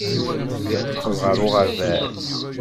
Yeqqel ɣer uɣerbaz.